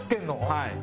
はい。